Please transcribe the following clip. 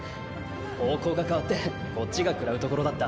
方向が変わってこっちがくらうところだった。